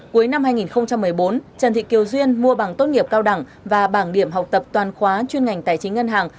cuối năm hai nghìn một mươi bốn trần thị kiều duyên mua bằng tốt nghiệp cao đẳng và bảng điểm học tập toàn khóa chuyên ngành tài chính ngân hàng